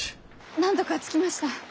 なんとか着きました。